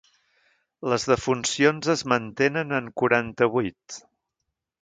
Les defuncions es mantenen en quaranta-vuit.